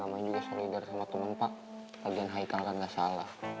mamanya juga solidar sama temen pak agen haikal kan gak salah